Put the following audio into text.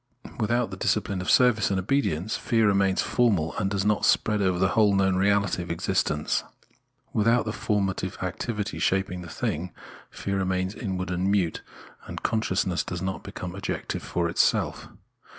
Without the discipline of service and obedience, fear remains formal and does not spread over the whole known reahty of existence. Without the formative activity shaping the thing, fear remains inward and mute, and consciousness does not become objective for itself.